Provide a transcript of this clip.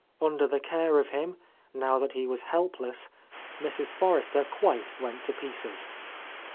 Under the care of him, now that he was helpless, Mrs. Forrester quite went to pieces.